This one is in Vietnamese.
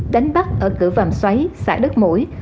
đánh bắt ở cửa vàng xoáy xã đất mũi